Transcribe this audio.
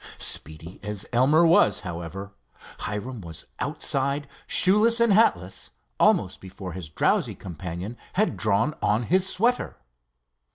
Speedy as Elmer was, however, Hiram was outside, shoeless and hatless, almost before his drowsy companion had drawn on his sweater.